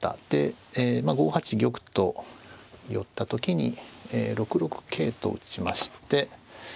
で５八玉と寄った時に６六桂と打ちまして。